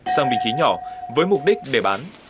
sang bình khí nhỏ với mục đích để bán